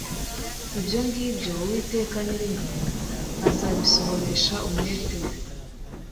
Ibyo ngibyo Uwiteka nyir’ingabo azabisohoresha umwete we